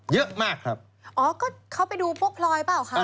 เยอะมากครับอ๋อก็เขาไปดูพวกพลอยเปล่าคะ